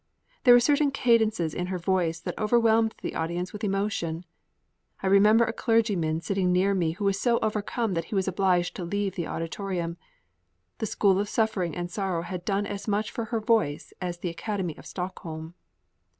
There were certain cadences in her voice that overwhelmed the audience with emotion. I remember a clergyman sitting near me who was so overcome that he was obliged to leave the auditorium. The school of suffering and sorrow had done as much for her voice as the Academy of Stockholm.